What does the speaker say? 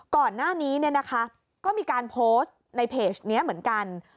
ก่อนหน้านี้ก็มีการโพสต์ในเพจนี้เหมือนกัน